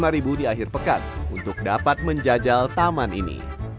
rp lima di akhir pekan untuk dapat menjajal taman ini